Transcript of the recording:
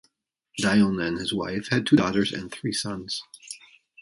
Dionne and his wife had two daughters and three sons.